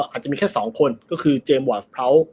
อาจจะมีแค่๒คนก็คือเจมสวาสพร้าว